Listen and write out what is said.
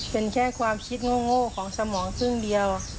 เป็นแค่ความคิดโง่ของสมองครึ่งเดียว